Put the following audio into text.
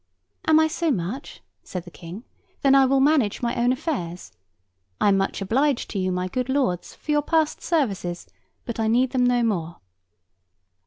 'Am I so much?' said the King; 'then I will manage my own affairs! I am much obliged to you, my good lords, for your past services, but I need them no more.